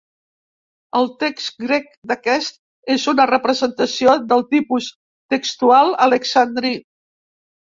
El text grec d'aquest és una representació del tipus textual alexandrí.